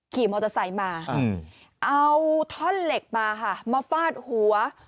ขี่มอเตอร์ไซค์มาเอาท่อนเหล็กมาค่ะมาฟาดหัว